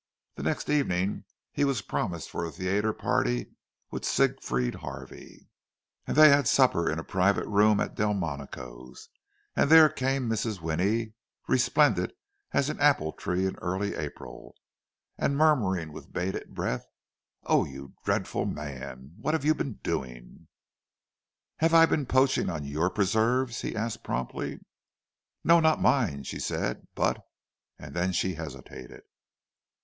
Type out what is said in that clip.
The next evening he was promised for a theatre party with Siegfried Harvey; and they had supper in a private room at Delmonico's, and there came Mrs. Winnie, resplendent as an apple tree in early April—and murmuring with bated breath, "Oh, you dreadful man, what have you been doing?" "Have I been poaching on your preserves?" he asked promptly. "No, not mine," she said, "but—" and then she hesitated.